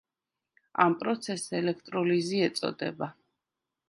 ამ პროცესს ელექტროლიზი ეწოდება.